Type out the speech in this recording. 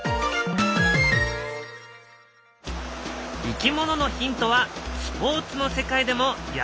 いきもののヒントはスポーツの世界でも役立っている。